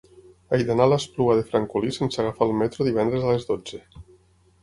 He d'anar a l'Espluga de Francolí sense agafar el metro divendres a les dotze.